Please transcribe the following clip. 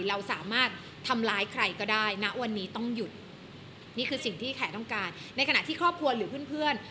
เราสามารถทำร้ายใครก็ได้ณวันนี้ต้องหยุดนี่คือสิ่งที่แขกต้องการในขณะที่ครอบครัวหรือเพื่อนเพื่อน